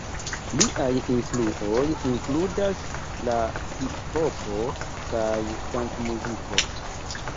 Liaj influoj inkludas la hiphopo kaj dancmuziko.